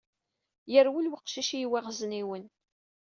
Yerwel weqcic i yiwaɣezniwen.